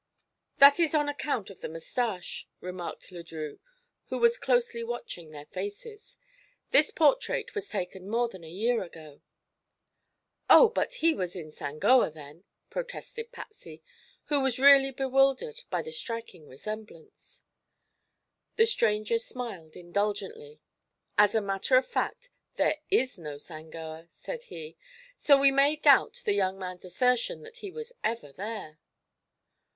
"That is on account of the mustache," remarked Le Drieux, who was closely watching their faces. "This portrait was taken more than a year ago." "Oh; but he was in Sangoa then," protested Patsy, who was really bewildered by the striking resemblance. The stranger smiled indulgently. "As a matter of fact, there is no Sangoa." said he; "so we may doubt the young man's assertion that he was ever there."